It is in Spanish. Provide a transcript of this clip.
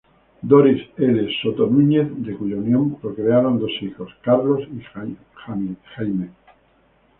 Doris L. Soto Núñez, de cuya unión procrearon dos hijos, Carlos y Jamie.